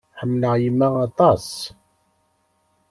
Ḥemmleɣ yemma aṭas.